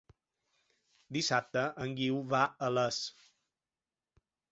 Dissabte en Guiu va a Les.